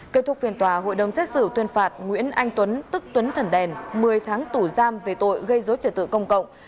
kết thúc phiền tòa hội đồng xét xử tuyên phạt nguyễn anh tuấn tức tuấn thần đèn một mươi tháng tủ giam về tội gây dối trật tự công cộng